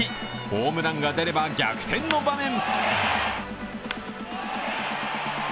ホームランが出れば逆転の場面。